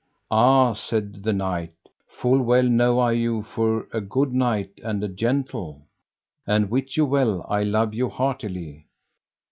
Ah, said the knight, full well know I you for a good knight and a gentle, and wit you well I love you heartily.